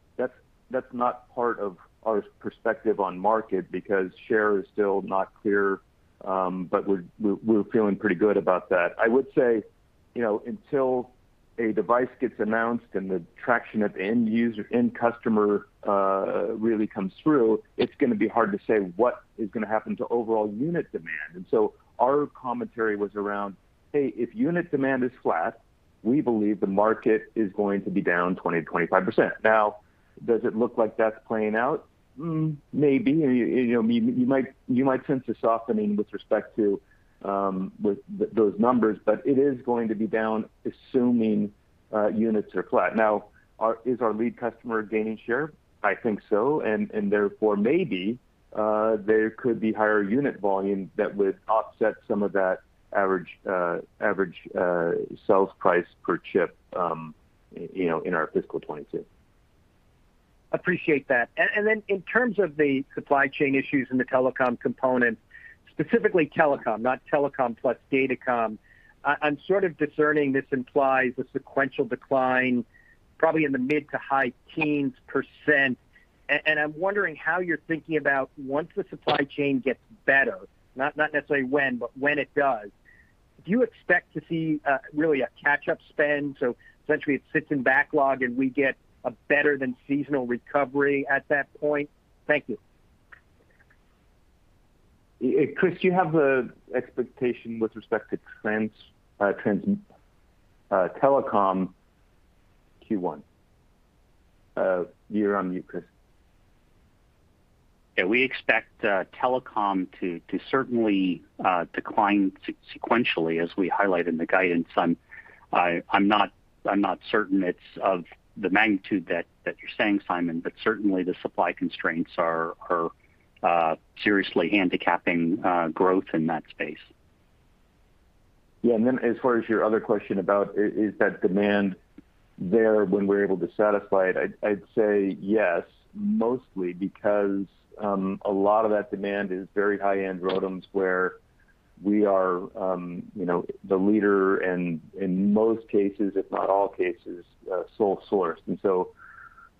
That's not part of our perspective on market because share is still not clear, but we're feeling pretty good about that. I would say, until a device gets announced and the traction of the end customer really comes through, it's going to be hard to say what is going to happen to overall unit demand. Our commentary was around, hey, if unit demand is flat, we believe the market is going to be down 20%-25%. Now, does it look like that's playing out? Hmm, maybe. You might sense a softening with respect to those numbers, but it is going to be down, assuming units are flat. Now, is our lead customer gaining share? I think so, and therefore, maybe there could be higher unit volume that would offset some of that average sales price per chip in our fiscal 2022. Appreciate that. In terms of the supply chain issues in the telecom component, specifically telecom, not telecom plus datacom, I'm sort of discerning this implies a sequential decline probably in the mid to high teens percent. I'm wondering how you're thinking about once the supply chain gets better, not necessarily when, but when it does, do you expect to see really a catch-up spend, so essentially it sits in backlog and we get a better than seasonal recovery at that point? Thank you. Chris, do you have the expectation with respect to telecom Q1? You're on mute, Chris. We expect telecom to certainly decline sequentially as we highlight in the guidance. I'm not certain it's of the magnitude that you're saying, Simon, but certainly the supply constraints are seriously handicapping growth in that space. As far as your other question about is that demand there when we're able to satisfy it, I'd say yes, mostly because a lot of that demand is very high-end ROADMs where we are the leader and in most cases, if not all cases, sole source.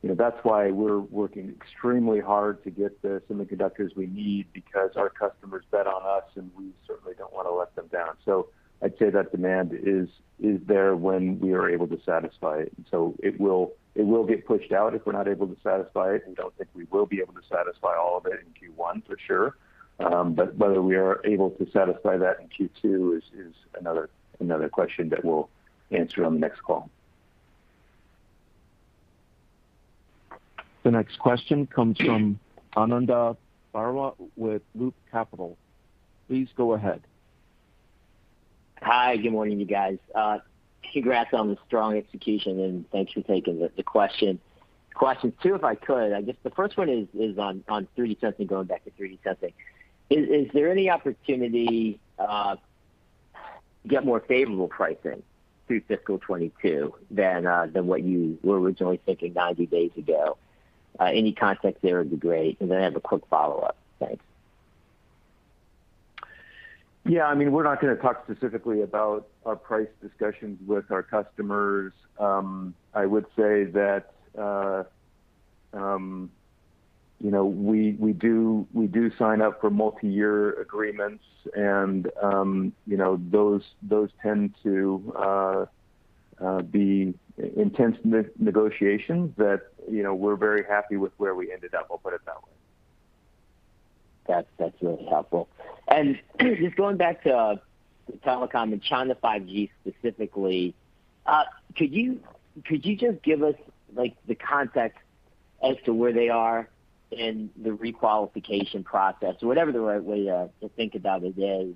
That's why we're working extremely hard to get the semiconductors we need because our customers bet on us, and we certainly don't want to let them down. I'd say that demand is there when we are able to satisfy it. It will get pushed out if we're not able to satisfy it, and don't think we will be able to satisfy all of it in Q1 for sure. Whether we are able to satisfy that in Q2 is another question that we'll answer on the next call. The next question comes from Ananda Baruah with Loop Capital. Please go ahead. Hi, good morning, you guys. Congrats on the strong execution, thanks for taking the question. Questions, two, if I could, I guess the first one is on 3D sensing, going back to 3D sensing. Is there any opportunity to get more favorable pricing through fiscal 2022 than what you were originally thinking 90 days ago? Any context there would be great, then I have a quick follow-up. Thanks. Yeah, we're not going to talk specifically about our price discussions with our customers. I would say that we do sign up for multi-year agreements, those tend to be intense negotiations that we're very happy with where we ended up, I'll put it that way. That's really helpful. Just going back to telecom and China 5G specifically, could you just give us the context as to where they are in the re-qualification process or whatever the right way to think about it is,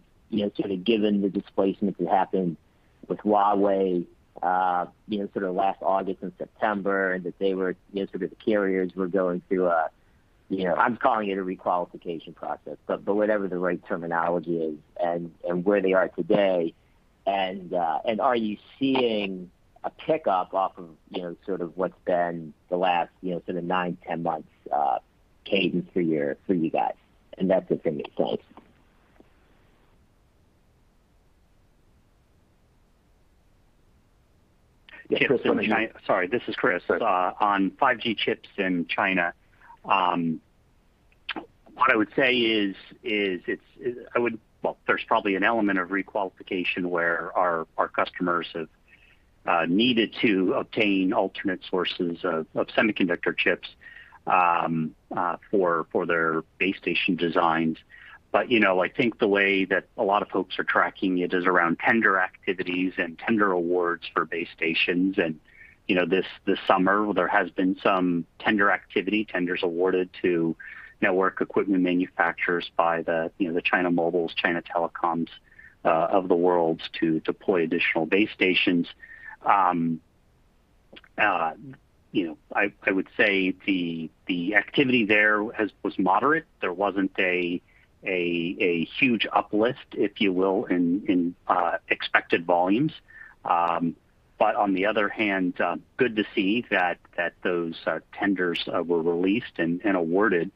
sort of given the displacement that happened with Huawei, sort of last August and September, and that the carriers were going through, I'm calling it a re-qualification process, but whatever the right terminology is and where they are today. Are you seeing a pick-up off of sort of what's been the last sort of nine, 10 months cadence for you guys? That's the thing. Thanks. Yeah, Chris on the- Sorry, this is Chris. Sure. On 5G chips in China, well, there's probably an element of re-qualification where our customers have needed to obtain alternate sources of semiconductor chips for their base station designs. I think the way that a lot of folks are tracking it is around tender activities and tender awards for base stations. This summer, there has been some tender activity, tenders awarded to network equipment manufacturers by the China Mobile, China Telecom of the world to deploy additional base stations. I would say the activity there was moderate. There wasn't a huge uplift, if you will, in expected volumes. On the other hand, good to see that those tenders were released and awarded.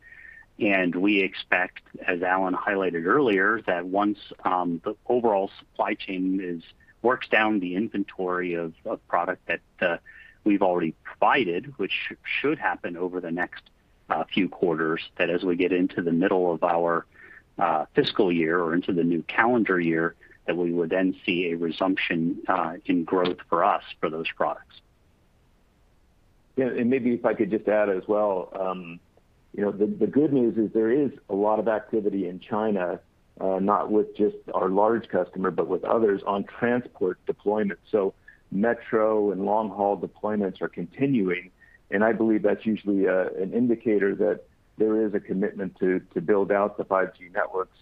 We expect, as Alan highlighted earlier, that once the overall supply chain works down the inventory of product that we've already provided, which should happen over the next few quarters, that as we get into the middle of our fiscal year or into the new calendar year, and we would then see a resumption in growth for us for those products. Yeah, maybe if I could just add as well. The good news is there is a lot of activity in China, not with just our large customer, but with others on transport deployment. Metro and long-haul deployments are continuing, and I believe that's usually an indicator that there is a commitment to build out the 5G networks.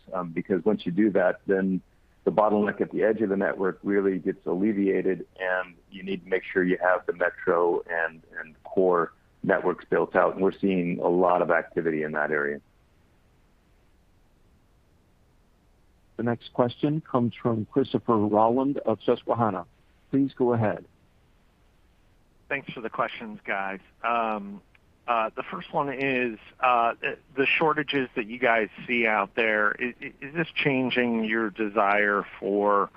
Once you do that, the bottleneck at the edge of the network really gets alleviated, and you need to make sure you have the metro and core networks built out. We're seeing a lot of activity in that area. The next question comes from Christopher Rolland of Susquehanna. Please go ahead. Thanks for the questions, guys. The first one is the shortages that you guys see out there. Is this changing your desire for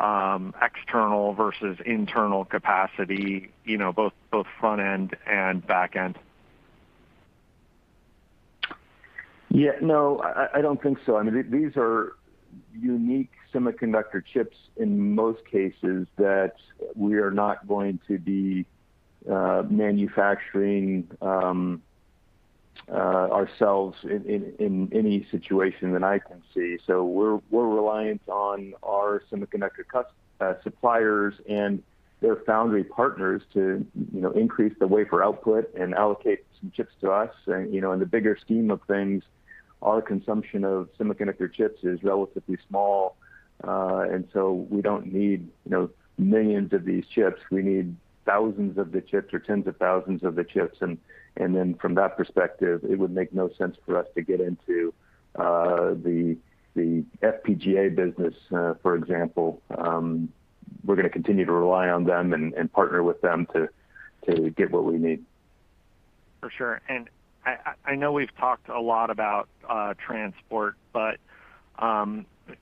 external versus internal capacity, both front end and back end? Yeah, no, I don't think so. These are unique semiconductor chips in most cases that we are not going to be manufacturing ourselves in any situation that I can see. We're reliant on our semiconductor suppliers and their foundry partners to increase the wafer output and allocate some chips to us. In the bigger scheme of things, our consumption of semiconductor chips is relatively small, and so we don't need millions of these chips. We need thousands of the chips or tens of thousands of the chips. From that perspective, it would make no sense for us to get into the FPGA business, for example. We're going to continue to rely on them and partner with them to get what we need. For sure. I know we've talked a lot about transport, but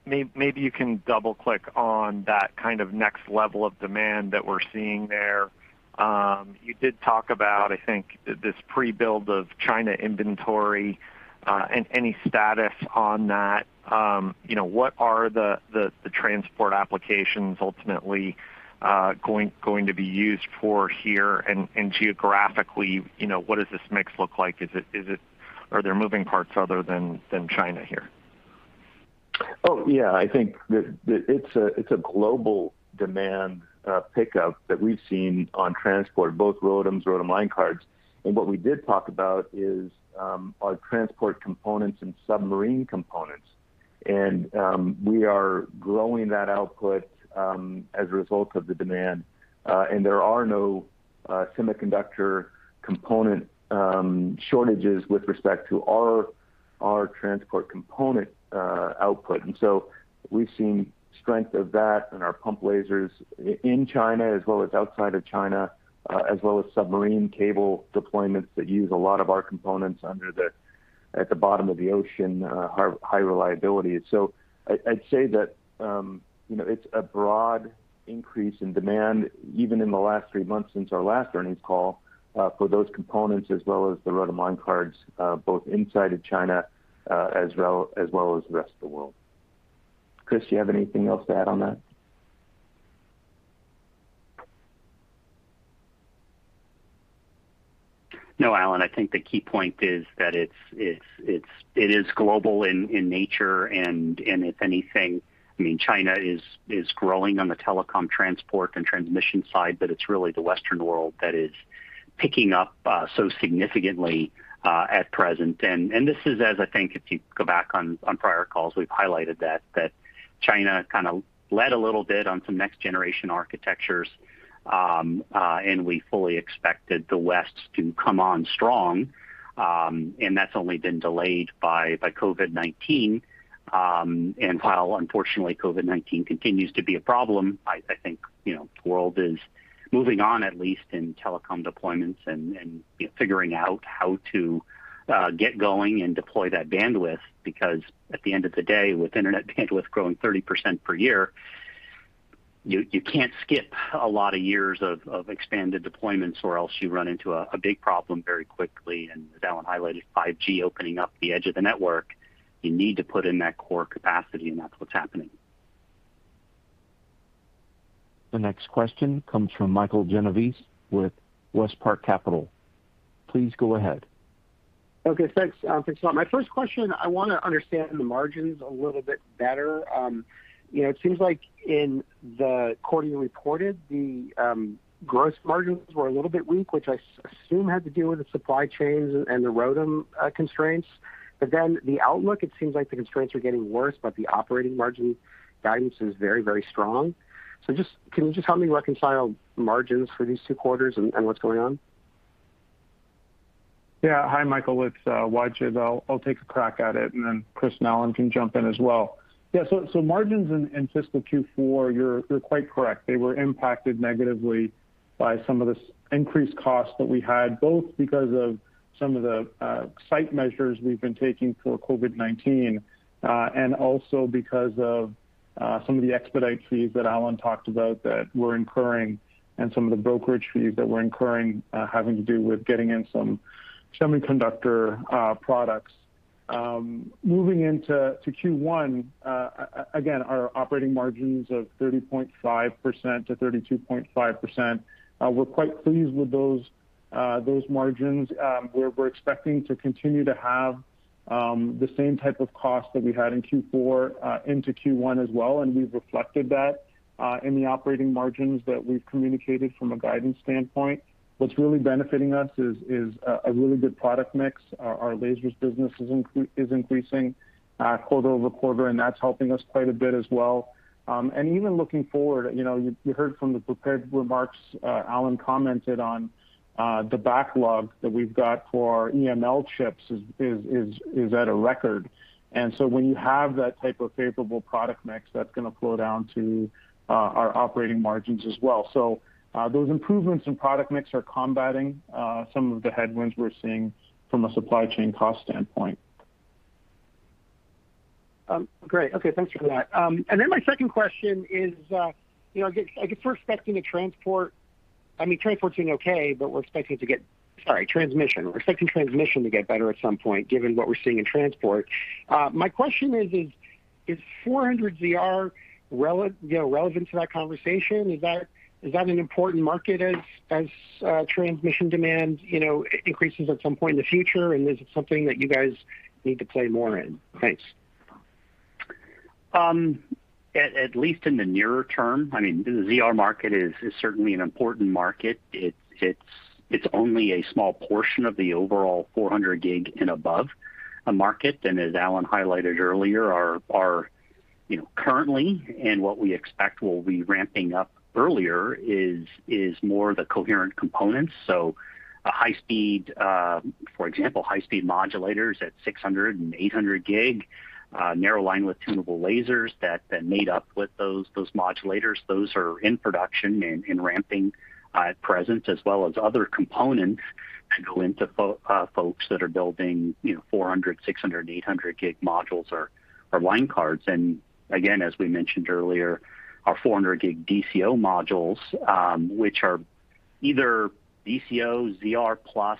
maybe you can double-click on that next level of demand that we're seeing there. You did talk about, I think, this pre-build of China inventory and any status on that. What are the transport applications ultimately going to be used for here? Geographically, what does this mix look like? Are there moving parts other than China here? Oh, yeah. I think that it's a global demand pickup that we've seen on transport, both ROADMs, ROADM line cards. What we did talk about is our transport components and submarine components. We are growing that output as a result of the demand. There are no semiconductor component shortages with respect to our transport component output. We've seen strength of that in our pump lasers in China as well as outside of China, as well as submarine cable deployments that use a lot of our components under at the bottom of the ocean, high reliability. I'd say that it's a broad increase in demand, even in the last three months since our last earnings call, for those components as well as the ROADM line cards both inside of China as well as the rest of the world. Chris, you have anything else to add on that? No, Alan, I think the key point is that it is global in nature, and if anything, China is growing on the telecom transport and transmission side, but it's really the Western world that is picking up so significantly at present. This is as I think if you go back on prior calls, we've highlighted that China led a little bit on some next generation architectures, and we fully expected the West to come on strong, and that's only been delayed by COVID-19. While, unfortunately, COVID-19 continues to be a problem, I think the world is moving on, at least in telecom deployments and figuring out how to get going and deploy that bandwidth. At the end of the day, with internet bandwidth growing 30% per year, you can't skip a lot of years of expanded deployments or else you run into a big problem very quickly. As Alan highlighted, 5G opening up the edge of the network, you need to put in that core capacity, and that's what's happening. The next question comes from Michael Genovese with WestPark Capital. Please go ahead. Okay, thanks. My first question, I want to understand the margins a little bit better. It seems like in the quarterly reported, the gross margins were a little bit weak, which I assume had to do with the supply chains and the ROADM constraints. The outlook, it seems like the constraints are getting worse, but the operating margin guidance is very strong. Can you just help me reconcile margins for these two quarters and what's going on? Hi, Michael. It's Wajid. I'll take a crack at it. And then Chris and Alan can jump in as well. Margins in fiscal Q4, you're quite correct. They were impacted negatively by some of the increased costs that we had, both because of some of the site measures we've been taking for COVID-19, and also because of some of the expedite fees that Alan talked about that we're incurring and some of the brokerage fees that we're incurring, having to do with getting in some semiconductor products. Moving into Q1, again, our operating margins of 30.5%-32.5%, we're quite pleased with those margins. We're expecting to continue to have the same type of costs that we had in Q4 into Q1 as well, and we've reflected that in the operating margins that we've communicated from a guidance standpoint. What's really benefiting us is a really good product mix. Our lasers business is increasing quarter-over-quarter, and that's helping us quite a bit as well. Even looking forward, you heard from the prepared remarks, Alan commented on the backlog that we've got for EML chips is at a record. When you have that type of favorable product mix, that's going to flow down to our operating margins as well. Those improvements in product mix are combating some of the headwinds we're seeing from a supply chain cost standpoint. Great. Okay. Thanks for that. My second question is, I guess we're expecting. Transport's doing okay, but we're expecting. Sorry, transmission. We're expecting transmission to get better at some point, given what we're seeing in transport. My question is 400ZR relevant to that conversation? Is that an important market as transmission demand increases at some point in the future, and is it something that you guys need to play more in? Thanks. At least in the nearer term, the ZR market is certainly an important market. It's only a small portion of the overall 400G and above market. As Alan highlighted earlier, are currently and what we expect will be ramping up earlier is more the coherent components. For example, high-bandwidth modulators at 600G and 800G, narrow linewidth tunable lasers that then made up with those modulators. Those are in production and ramping at present, as well as other components that go into folks that are building 400G, 600G, 800G modules or line cards. Again, as we mentioned earlier, our 400G DCO modules, which are either DCO, ZR+,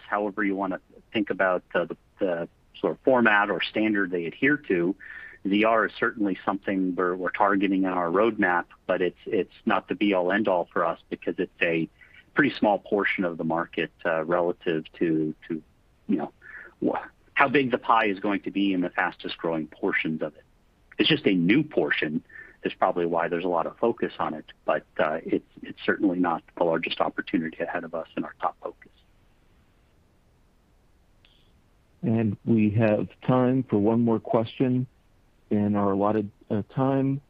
however you want to think about the sort of format or standard they adhere to. ZR is certainly something we're targeting in our roadmap, but it's not the be all, end all for us because it's a pretty small portion of the market relative to how big the pie is going to be and the fastest growing portions of it. It's just a new portion is probably why there's a lot of focus on it, but it's certainly not the largest opportunity ahead of us and our top focus. We have time for one more question in our allotted time,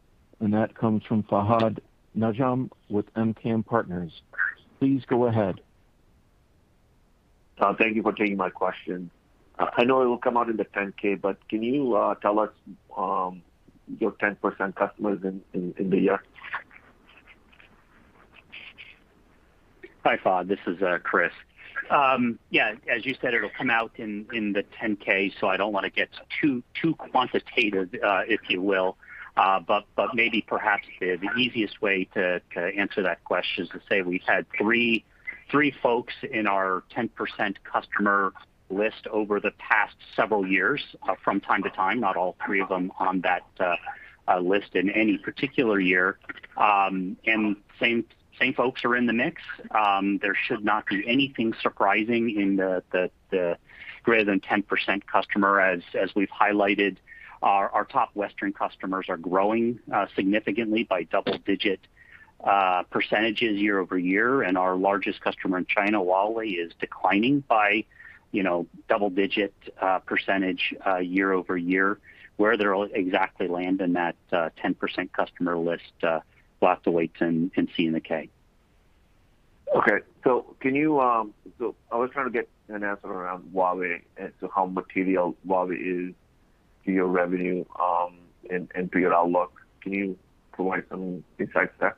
and that comes from Fahad Najam with MKM Partners. Please go ahead. Thank you for taking my question. I know it will come out in the 10-K, but can you tell us your 10% customers in the year? Hi, Fahad. This is Chris. Yeah, as you said, it'll come out in the 10-K. I don't want to get too quantitative, if you will. Maybe perhaps the easiest way to answer that question is to say we've had three folks in our 10% customer list over the past several years from time to time, not all three of them on that list in any particular year. Same folks are in the mix. There should not be anything surprising in the greater than 10% customer. As we've highlighted, our top Western customers are growing significantly by double-digit percentage year-over-year, our largest customer in China, Huawei, is declining by double-digit percentage year-over-year. Where they'll exactly land in that 10% customer list, we'll have to wait and see in the K. Okay. I was trying to get an answer around Huawei, as to how material Huawei is to your revenue, and to your outlook. Can you provide some insights there?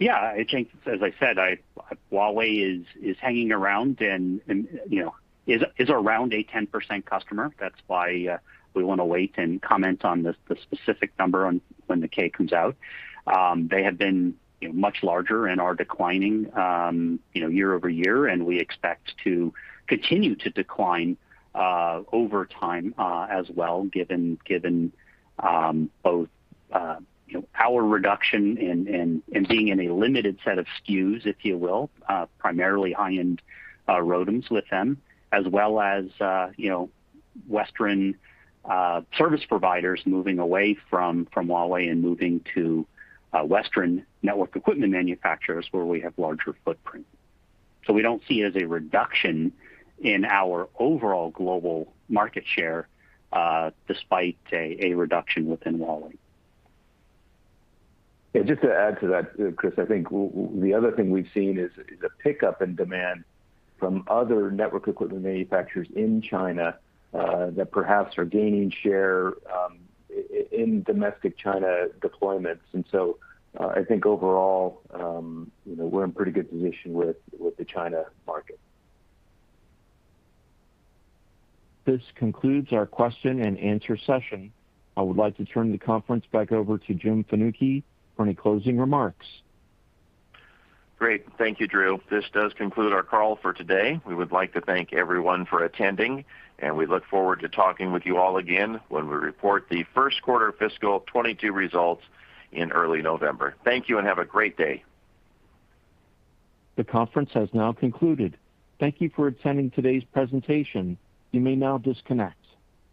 Yeah. I think, as I said, Huawei is hanging around and is around a 10% customer. That's why we want to wait and comment on the specific number when the K comes out. They have been much larger and are declining year-over-year, and we expect to continue to decline over time as well, given both power reduction and being in a limited set of SKUs, if you will, primarily high-end ROADMs with them, as well as Western service providers moving away from Huawei and moving to Western network equipment manufacturers where we have larger footprint. We don't see it as a reduction in our overall global market share, despite a reduction within Huawei. Yeah, just to add to that, Chris, I think the other thing we've seen is a pickup in demand from other network equipment manufacturers in China that perhaps are gaining share in domestic China deployments. I think overall, we're in pretty good position with the China market. This concludes our question-and-answer session. I would like to turn the conference back over to Jim Fanucchi for any closing remarks. Great. Thank you, Drew. This does conclude our call for today. We would like to thank everyone for attending, and we look forward to talking with you all again when we report the first quarter fiscal 2022 results in early November. Thank you, and have a great day. The conference has now concluded. Thank you for attending today's presentation. You may now disconnect.